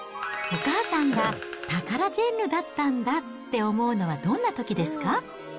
お母さんがタカラジェンヌだったんだって思うのはどんなときですか？